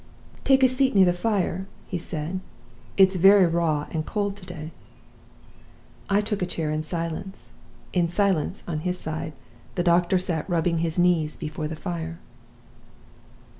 "'Take a seat near the fire,' he said. 'It's very raw and cold to day.' "I took a chair in silence. In silence, on his side, the doctor sat rubbing his knees before the fire.